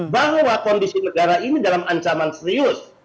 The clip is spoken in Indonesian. bahwa kondisi negara ini dalam ancaman serius